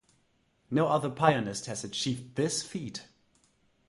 No other pianist has achieved this feat.